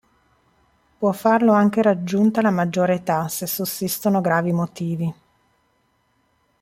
Può farlo anche raggiunta la maggiore età se sussistono gravi motivi.